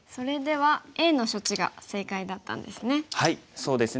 はいそうですね。